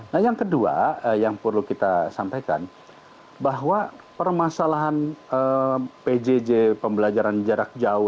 nah yang kedua yang perlu kita sampaikan bahwa permasalahan pjj pembelajaran jarak jauh